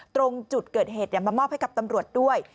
ตรงจุดเกิดเหตุมามอบให้กับตำรวจด้วย